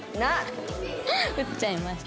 打っちゃいました。